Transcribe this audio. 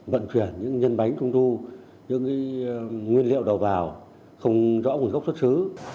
vận chuyển những nhân bánh trung thu những nguyên liệu đầu vào không rõ nguồn gốc xuất xứ